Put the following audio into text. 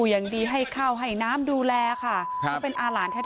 แค้นเหล็กเอาไว้บอกว่ากะจะฟาดลูกชายให้ตายเลยนะ